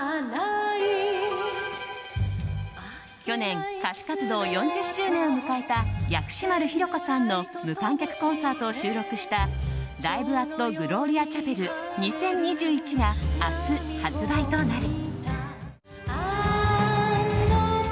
去年、歌手活動４０周年を迎えた薬師丸ひろ子さんの無観客コンサートを収録した「ＬｉｖｅａｔＧＬＯＲＩＡＣＨＡＰＥＬ２０２１」が明日、発売となる。